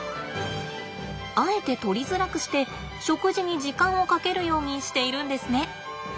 あえて取りづらくして食事に時間をかけるようにしているんですね。